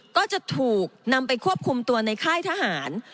ก็จะถูกนำไปควบคุมตัวในค่ายทหาร